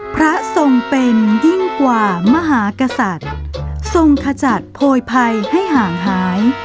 พระทรงเป็นยิ่งกว่ามหากษัตริย์ทรงขจัดโพยภัยให้ห่างหาย